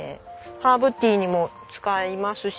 ハーブティーにも使いますし。